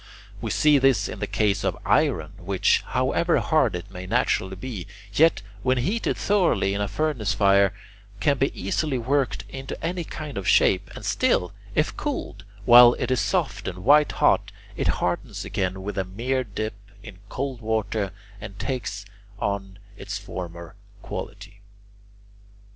We see this in the case of iron which, however hard it may naturally be, yet when heated thoroughly in a furnace fire can be easily worked into any kind of shape, and still, if cooled while it is soft and white hot, it hardens again with a mere dip into cold water and takes on its former quality.